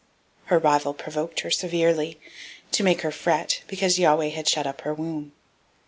001:006 Her rival provoked her sore, to make her fret, because Yahweh had shut up her womb.